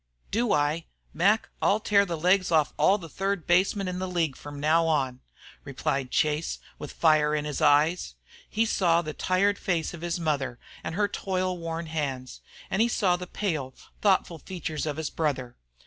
"Do I? Mac, I'll tear the legs off all the third basemen in the league from now on," replied Chase, with fire in his eye. He saw the tired face of his mother and her toil worn hands, and he saw the pale, thoughtful features of his brother.